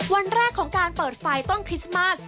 วันแรกของการเปิดไฟต้นคริสต์มาส